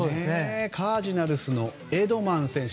カージナルスのエドマン選手。